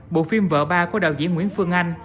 bộ phim vợ ba của đạo diễn nguyễn phương anh